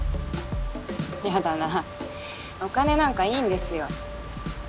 やだなお金なんかいいんですよ。